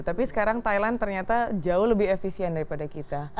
tapi sekarang thailand ternyata jauh lebih efisien daripada kita